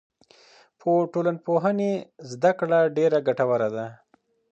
د ټولنپوهنې زده کړه ډېره ګټوره ده.